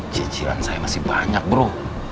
cicilan saya masih banyak bro